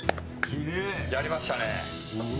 やりましたね。